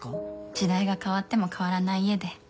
時代が変わっても変わらない家で。